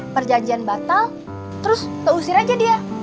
perjanjian batal terus terusir aja dia